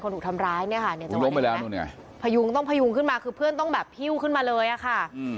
ถูกทำร้ายเนี่ยค่ะพยุงต้องพยุงขึ้นมาคือเพื่อนต้องแบบหิ้วขึ้นมาเลยอะค่ะ